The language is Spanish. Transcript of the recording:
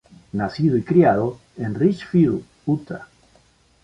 Nacido y criado en Richfield, Utah.